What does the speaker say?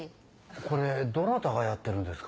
これどなたがやってるんですか？